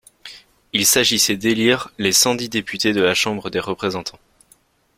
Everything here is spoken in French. Il s'agissait d'élire les cent-dix députés de la Chambre des Représentants.